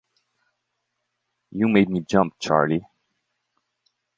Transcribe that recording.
You made me jump, Charley.